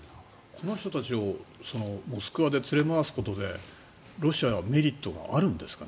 この人たちをモスクワで連れ回すことでロシアはメリットがあるんですか？